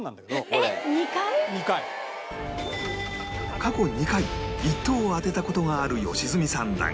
過去２回１等を当てた事がある良純さんだが